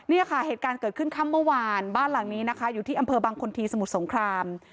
เนี่ยค่ะเหตุการณ์เกิดขึ้นค่ำเมื่อวานบ้านหลังนี้นะคะอยู่ที่อำเภอบางคนทีสมุทรสงคราม